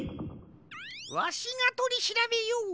わしがとりしらべよう！